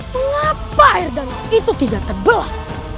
mengapa air danau itu tidak terbelah